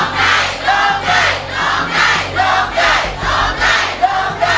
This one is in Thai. โรงเวน